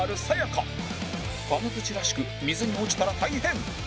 カナヅチらしく水に落ちたら大変！